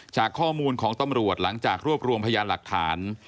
จากข้อมูลของตำรวจหลังจากรวบรวมพยานหลักฐาน